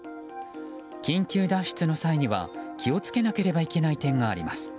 緊急脱出の際には気を付けなければいけない点があります。